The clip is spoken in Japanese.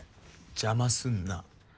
邪魔すんな。